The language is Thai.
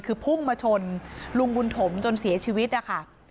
คือพุ่งมาชนลุงบุญถมจนเสียชีวิตนะคะ